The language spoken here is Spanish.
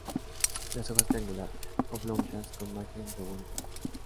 Las hojas triangular-oblongas, con margen revoluto.